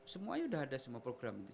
semuanya sudah ada semua program itu